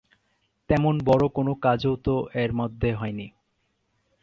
তেমন বড়ো কোনো কাজও তো এর মধ্যে হয় নি।